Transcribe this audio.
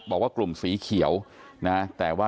บอกว่ากลุ่มสีเขียวนะฮะ